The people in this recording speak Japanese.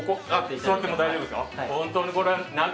座っても大丈夫ですか？